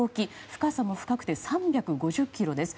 深さも深くて、３５０ｋｍです。